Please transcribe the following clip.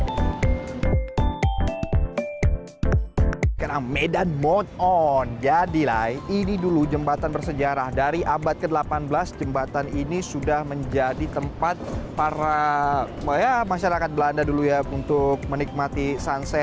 karena medan mode on jadilah ini dulu jembatan bersejarah dari abad ke delapan belas jembatan ini sudah menjadi tempat para masyarakat belanda dulu ya untuk menikmati sunset